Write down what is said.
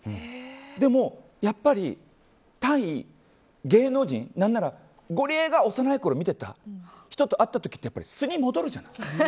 でもやっぱり対芸能人何ならゴリエが幼いころ見ていた人と会う時はやっぱり素に戻るじゃない。